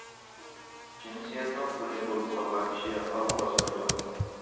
جىنسىيەتنىڭ قۇلى بولۇپ قالغان كىشى ئالغا باسمايدۇ!